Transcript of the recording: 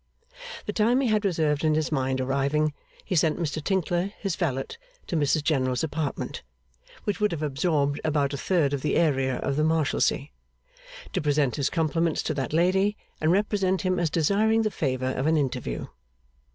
The time he had reserved in his mind arriving, he sent Mr Tinkler, his valet, to Mrs General's apartment (which would have absorbed about a third of the area of the Marshalsea), to present his compliments to that lady, and represent him as desiring the favour of an interview.